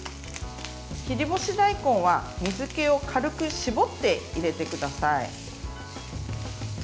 切り干し大根は水けを軽く絞って入れてください。